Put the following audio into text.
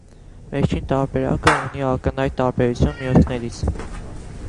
Վերջին տարբերակը ունի ակնհայտ տարբերություն մյուսներից։